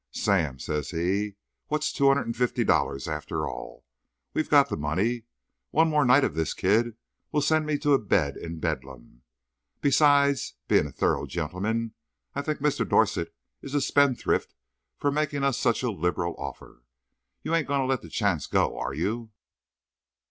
"Sam," says he, "what's two hundred and fifty dollars, after all? We've got the money. One more night of this kid will send me to a bed in Bedlam. Besides being a thorough gentleman, I think Mr. Dorset is a spendthrift for making us such a liberal offer. You ain't going to let the chance go, are you?"